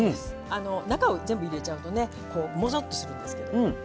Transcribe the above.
中を全部入れちゃうともぞっとするんですけど。